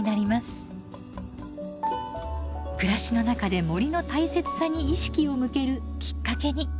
暮らしの中で森の大切さに意識を向けるきっかけに。